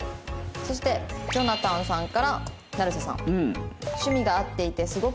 そしてジョナタンさんから成瀬さん。